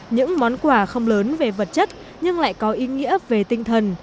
những món quà không lớn về vật chất nhưng lại có ý nghĩa về tinh thần